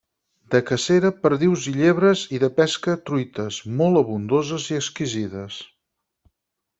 De cacera, perdius i llebres, i de pesca, truites, molt abundoses i exquisides.